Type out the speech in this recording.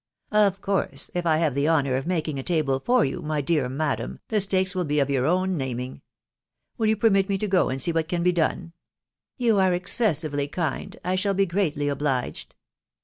•" Of course, if I have the honour of making a table for you, my dear madam, the stakes will be of your own naming. ... Will you permit me to go and see what can be done ?"" You are excessively kind .••. I shall be greatly obliged."